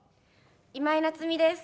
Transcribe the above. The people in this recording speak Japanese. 今井菜津美です。